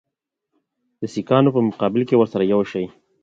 د سیکهانو په مقابل کې ورسره یو شي.